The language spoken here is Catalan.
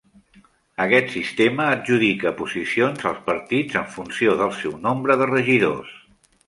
Aquest sistema adjudica posicions als partits en funció del seu nombre de regidors.